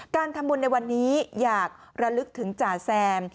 การทำบุญในวันนี้อยากระลึกถึงจ่าแซม